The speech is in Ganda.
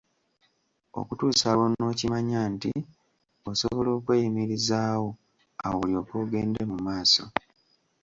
Okutuusa lw'onookimanya nti osobola okweyimirizaawo, awo olyoke ogende mu maaso.